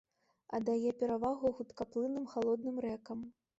Аддае перавагу хуткаплынным халодным рэкам.